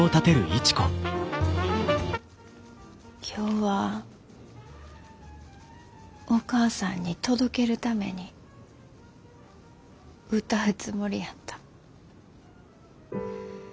今日はお母さんに届けるために歌うつもりやった。